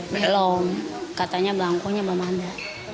belum katanya bangkunya belum ada